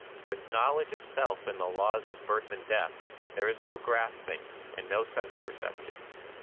With know ledge of Self and the laws of hirth and death, there is no grasping, and no sense perception.